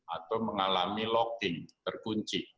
atau mengalami locking terkunci